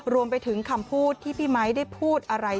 รวมไปถึงคำพูดที่พี่ไมค์ได้พูดอะไร